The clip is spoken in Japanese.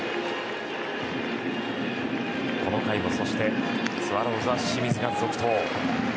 この回もスワローズは清水が続投。